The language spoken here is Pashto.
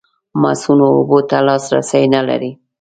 مصؤنو اوبو ته لاسرسی نه لري.